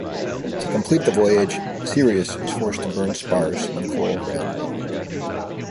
To complete the voyage, "Sirius" was forced to burn spars when coal ran low.